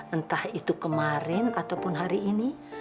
entah itu kemarin ataupun hari ini